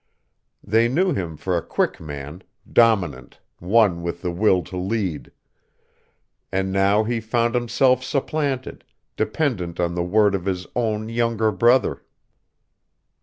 They knew him for a quick man, dominant, one with the will to lead; and now he found himself supplanted, dependent on the word of his own younger brother....